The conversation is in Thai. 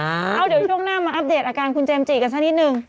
เอาเดี๋ยวช่วงหน้ามาอัปเดตอาการคุณเจมส์จีกันสักนิดนึง